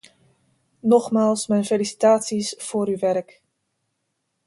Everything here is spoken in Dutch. Nogmaals mijn felicitaties voor uw werk.